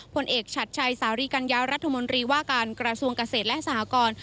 ผลเอกชัดชัยสารีกัญญารัฐมนตรีว่าการกระทรวงเกษตรและสหกร